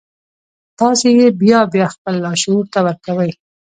تاسې يې بيا بيا خپل لاشعور ته ورکوئ.